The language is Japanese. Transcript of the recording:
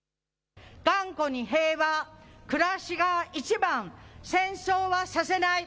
頑固に平和、暮らしが一番、戦争はさせない。